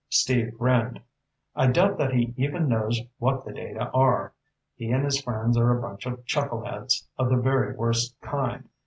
Steve grinned. "I doubt that he even knows what the data are. He and his friends are a bunch of chuckleheads of the very worst kind.